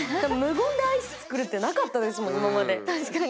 無言でアイス作るってなかったですもん今まで。